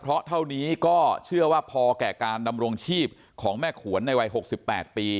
เพราะเท่านี้ก็เชื่อว่าพอแก่การดำรงชีพของแม่ขวนในวัย๖๘ปี